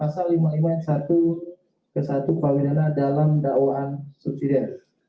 pasal lima puluh lima ayat satu ke satu kuhp dalam dakwaan susidaya